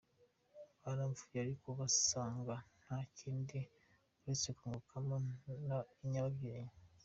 Baramvuye ariko basanga nta kindi uretse kunkuramo nyababyeyi.